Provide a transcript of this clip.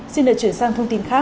xin được chuyển sang thông tin khác